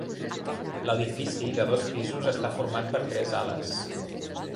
L'edifici, de dos pisos, està format per tres ales.